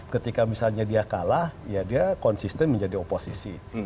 ketika misalnya dia kalah ya dia konsisten menjadi oposisi